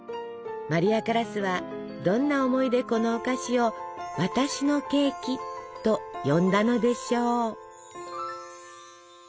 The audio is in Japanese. マリア・カラスはどんな思いでこのお菓子を「私のケーキ」と呼んだのでしょう。